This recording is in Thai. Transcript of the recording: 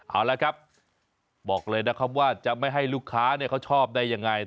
เอาละครับบอกเลยนะครับว่าจะไม่ให้ลูกค้าเขาชอบได้ยังไง